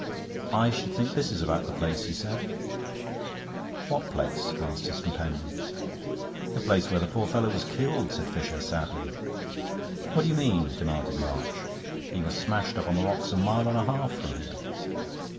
"I should think this is about the place," he said. "What place?" asked his companion. "The place where the poor fellow was killed," said Fisher, sadly. "What do you mean?" demanded March. "He was smashed up on the rocks a mile and a half from here."